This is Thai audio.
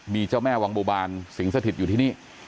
มีเจ้าแม่วังบัวบานสิงสถิตอยู่ที่นี่